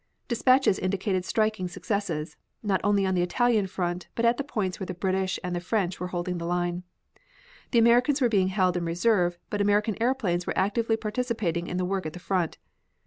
Dispatches indicated striking successes, not only on the Italian front but at the points where the British and the French were holding the line. The Americans were being held in reserve, but American airplanes were actively participating in the work at the front.